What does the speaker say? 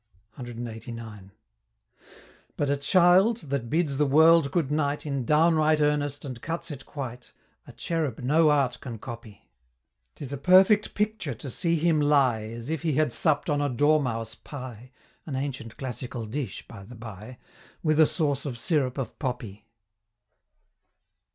CLXXXIX. But a child that bids the world good night In downright earnest and cuts it quite A Cherub no Art can copy, 'Tis a perfect picture to see him lie As if he had supp'd on a dormouse pie, (An ancient classical dish, by the bye) With a sauce of syrup of poppy.